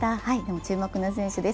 注目の選手です。